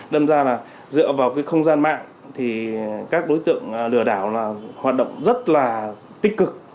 đâm ra là dựa vào cái không gian mạng thì các đối tượng lừa đảo là hoạt động rất là tích cực